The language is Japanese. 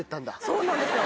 そうなんですよ